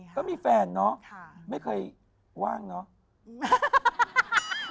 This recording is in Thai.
ก็มีแฟนเนาะไม่เคยว่างเนาะ